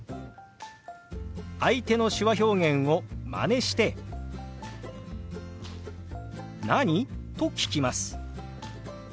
相手の手話表現をまねして「何？」と聞きます。